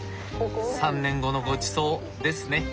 ３年後のごちそうですね。